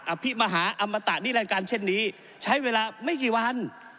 ภิมหาอมตะนิรันการเช่นนี้ใช้เวลาไม่กี่วัน